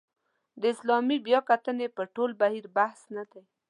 د اسلامي بیاکتنې پر ټول بهیر بحث نه دی.